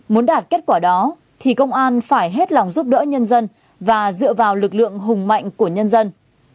muốn đạt kết quả đó thì công an phải hết lòng giúp đỡ nhân dân và dựa vào lực lượng hùng mạnh của nhân dân